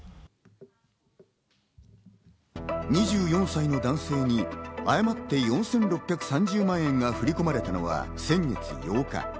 ２４歳の男性に誤って４６３０万円が振り込まれたのは先月８日。